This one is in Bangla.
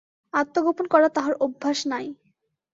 আত্মগোপন করা তাহার অভ্যাস নাই।